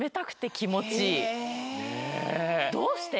どうして？